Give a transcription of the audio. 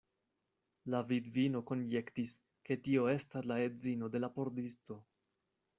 La vidvino konjektis, ke tio estas la edzino de la pordisto.